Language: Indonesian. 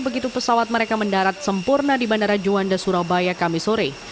begitu pesawat mereka mendarat sempurna di bandara juanda surabaya kamisore